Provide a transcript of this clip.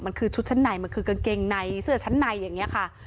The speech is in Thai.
มันคือชุดชั้นในมันคือกางเกงในเสื้อชั้นในอย่างนี้ค่ะ